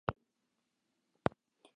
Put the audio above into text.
او اوس په تورو خاورو کې پراته دي.